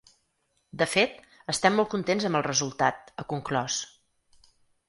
De fet, estem molt contents amb el resultat, ha conclòs.